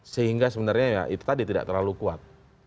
sehingga sebenarnya ya itu tadi tidak terlalu kuat